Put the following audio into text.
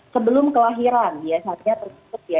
sebelum kelahiran ya saatnya tertutup ya